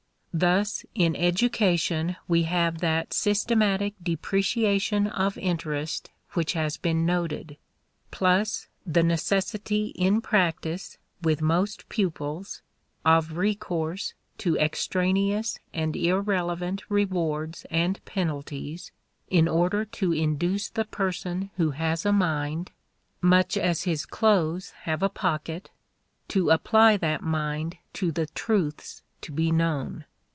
Thus in education we have that systematic depreciation of interest which has been noted, plus the necessity in practice, with most pupils, of recourse to extraneous and irrelevant rewards and penalties in order to induce the person who has a mind (much as his clothes have a pocket) to apply that mind to the truths to be known.